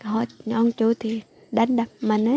họ đánh chui thì đánh đập